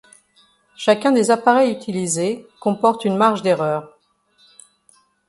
Chacun des appareils utilisés comporte une marge d'erreur.